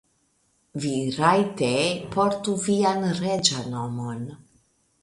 Vi rajte portu vian reĝan nomon.